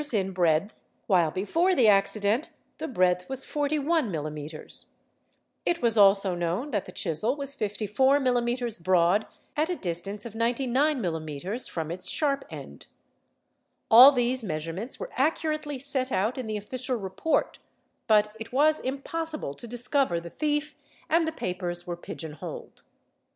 in breadth, while before the accident the breadth was 41 mm.; it was also known that the chisel was 54 mm. broad at a distance of 99 mm. from its sharp end. All these measurements were accurately set out in the official report but it was impossible to discover the thief and the papers were pigeonholed.